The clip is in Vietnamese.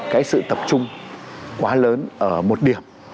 cái sự tập trung quá lớn ở một điểm